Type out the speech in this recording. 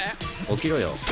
起きろよ。